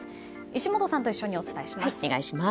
石本さんと一緒にお伝えします。